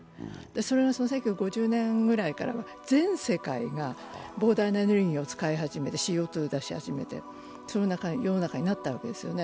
それが１９５０年ごろからは全世界が膨大なエネルギーを出し始めてＣＯ２を出し始め、世の中が変わったんですよね。